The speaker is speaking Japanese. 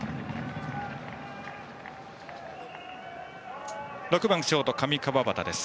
打席は６番、ショート上川畑。